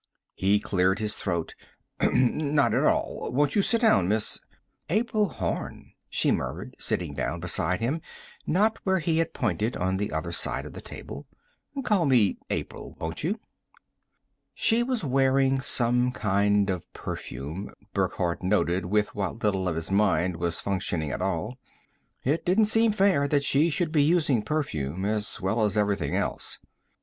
He cleared his throat. "Not at all. Won't you sit down, Miss " "April Horn," she murmured, sitting down beside him, not where he had pointed on the other side of the table. "Call me April, won't you?" She was wearing some kind of perfume, Burckhardt noted with what little of his mind was functioning at all. It didn't seem fair that she should be using perfume as well as everything else.